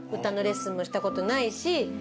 歌のレッスンもしたことないし。